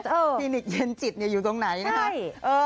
คลินิกเย็นจิตอยู่ตรงไหนนะคะ